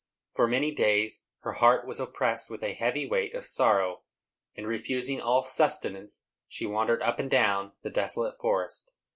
For many days her heart was oppressed with a heavy weight of sorrow; and, refusing all sustenance, she wandered up and down the desolate forest.